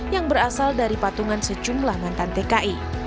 yang berasal dari patungan sejumlah mantan tki